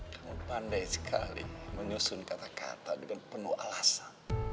kamu pandai sekali menyusun kata kata dengan penuh alasan